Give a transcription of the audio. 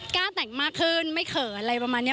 กล้าแต่งมากขึ้นไม่เขินอะไรประมาณนี้